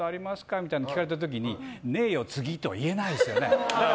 みたいなことを聞かれた時にねーよ、次とは言えないですよね。